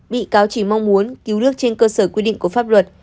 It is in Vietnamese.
bị cáo chỉ mong muốn cứu nước trên cơ sở quy định của pháp luật